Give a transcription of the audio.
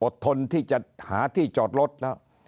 ทนที่จะหาที่จอดรถแล้ว